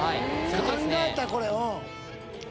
考えたこれ。